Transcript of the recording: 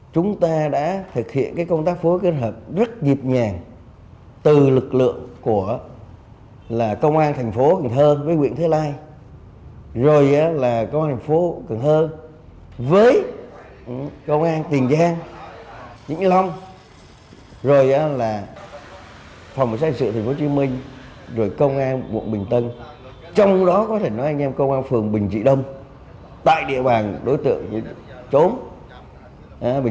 chúng ta đã phát hiện được đối tượng khống chế bắt được đối tượng giải cứu là không tin an toàn đạt được một cái yêu cầu